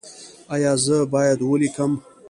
ایا زه باید ولیکم؟